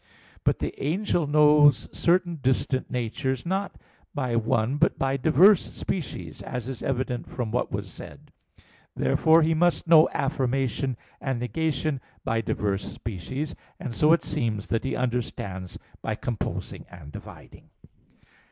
But the angel knows certain distant natures not by one, but by diverse species, as is evident from what was said (A. 2). Therefore he must know affirmation and negation by diverse species. And so it seems that he understands by composing and dividing.